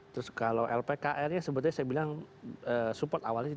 terus kalau lpkr nya sebetulnya saya bilang support awalnya